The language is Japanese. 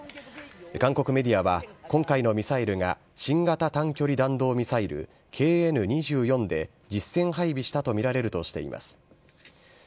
韓国メディアは、今回のミサイルが新型短距離弾道ミサイルＫＮー２４で、実戦配備したと見られるとしています。